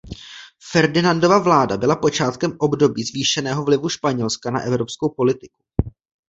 Ferdinandova vláda byla počátkem období zvýšeného vlivu Španělska na evropskou politiku.